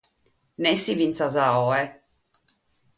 Nessi fintzas a oe.